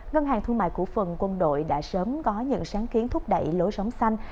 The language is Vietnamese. ngân hàng thương mại cổ phần quân đội đã sớm có những sáng kiến thúc đẩy lối sống xanh